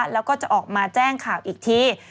แล้วก็จะออกมาแจ้งข่าวอีกที